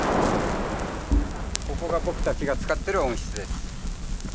僕たちが使っている温室です。